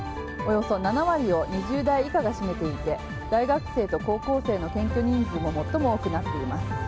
およそ７割を２０代以下が占めていて大学生と高校生の検挙人数が最も多くなっています。